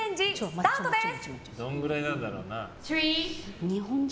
スタートです。